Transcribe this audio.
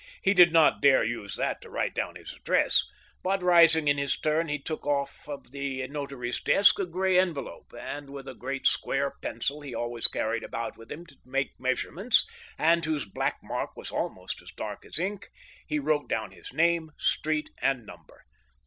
He did not dare use that to write down his address, but, rising in his turn, he took off of the notary's desk a gray envelope, and, with a great square pencil he always carried about with him to take measurements, and whose black mark was almost as dark as ink, he wrote down his name, street, and number.